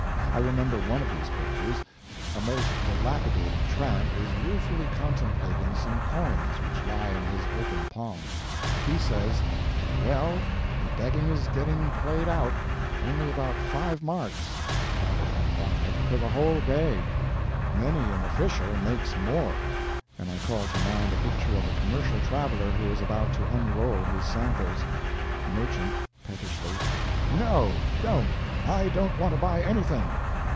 I remember one of these pictures: A most dilapidated tramp is ruefully contemplating some coins which lie in his open palm. He says: "Well, begging is getting played out. Only about five marks ($1.25) for the whole day; many an official makes more!" And I call to mind a picture of a commercial traveler who is about to unroll his samples: MERCHANT (pettishly). NO, don't. I don't want to buy anything!